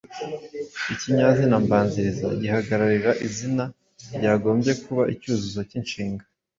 Ikinyazina mbanziriza gihagararira izina ryagombye kuba icyuzuzo k’inshinga.